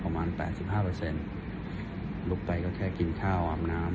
ประมาณแปดสิบห้าเปอร์เซ็นต์ลุกไปก็แค่กินข้าวอาบน้ำ